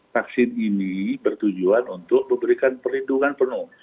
vaksin ini bertujuan untuk memberikan perlindungan penuh